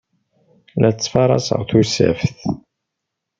La ttfaṛaseɣ tussaft.